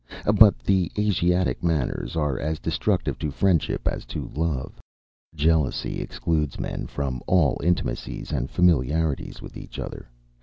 But the Asiatic manners are as destructive to friendship as to love. Jealousy excludes men from all intimacies and familiarities with each other.